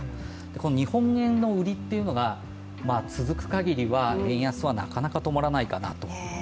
この日本円の売りというのが続くかぎりは円安はなかなか止まらないかなと。